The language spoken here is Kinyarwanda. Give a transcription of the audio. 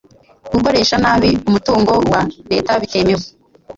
Gukoresha nabi umutungo wa leta bitemewe